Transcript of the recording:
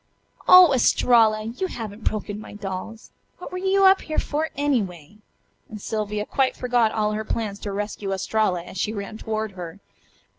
"Oh, Estralla! You haven't broken my dolls! What were you up here for, anyway?" and Sylvia quite forgot all her plans to rescue Estralla as she ran toward her.